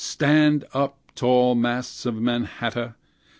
Stand up, tall masts of Mannahatta!